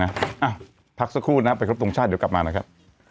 น่ะอ่ะพักสักครู่นะครับไปครบตรงชาติเดี๋ยวกลับมานะครับ